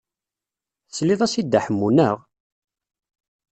Teslid-as i Dda Ḥemmu, naɣ?